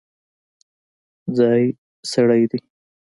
ځايي سړی دی.